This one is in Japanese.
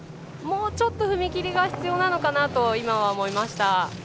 もうちょっと踏み切りが必要なのかなと思いました。